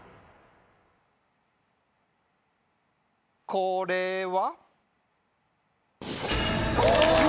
これは？